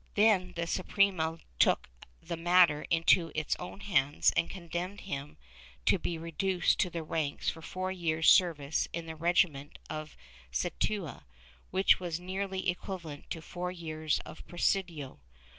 Then the Suprema took the matter into its own hands and condemned him to be reduced to the ranks for four years' service in the regiment of Ceuta, which was nearly equivalent to four years of presidio.